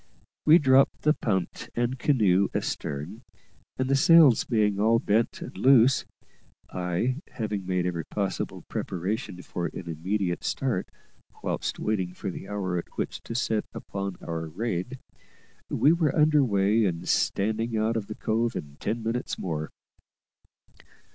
We dropped the punt and canoe astern, and the sails being all bent and loose (I having made every possible preparation for an immediate start whilst waiting for the hour at which to set out upon our raid), we were under way and standing out of the cove in ten minutes more.